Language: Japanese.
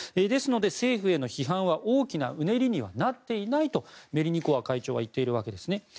ですので政府への批判は大きなうねりにはなっていないとメリニコワ会長は言っているわけです。